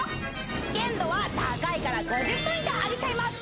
危険度は高いから５０ポイントあげちゃいます